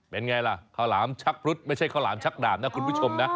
เป็นไงล่ะข้าวหลามชักพรุษไม่ใช่ข้าวหลามชักดาบนะคุณผู้ชมนะ